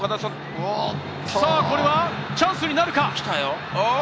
これはチャンスになるか？